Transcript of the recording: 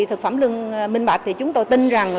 thực phẩm luôn minh bạch thì chúng tôi tin rằng